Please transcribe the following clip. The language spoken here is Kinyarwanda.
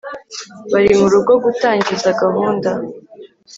bari mu rugo gutangiza gahunda